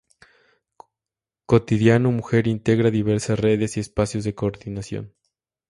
Cotidiano Mujer integra diversas redes y espacios de coordinación.